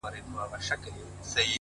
سـتـــا خــبــــــري دي.!